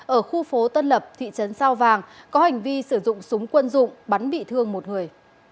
ở khu phố tân lập thị trấn sao vàng có hành vi sử dụng súng quân dụng bắn bị thương một người